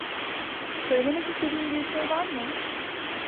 Söylemek istediğin bir şey var mı?